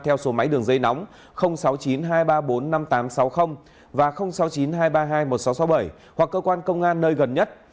theo số máy đường dây nóng sáu mươi chín hai trăm ba mươi bốn năm nghìn tám trăm sáu mươi và sáu mươi chín hai trăm ba mươi hai một nghìn sáu trăm sáu mươi bảy hoặc cơ quan công an nơi gần nhất